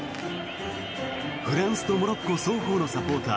フランスとモロッコ双方のサポーター